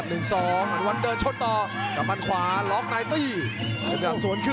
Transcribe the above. อันวัดเบียดเข้ามาอันวัดโดนชวนแรกแล้ววางแค่ขวาแล้วเสียบด้วยเขาซ้าย